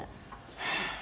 はあ。